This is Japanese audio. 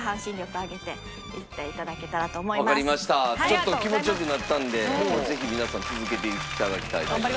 ちょっと気持ち良くなったんでぜひ皆さん続けていただきたいと思います。